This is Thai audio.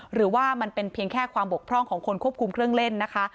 หรือว่ามันเป็นเพียงแค่ความบกพร่องของคนควบคุมเครื่องเล่นนะคะ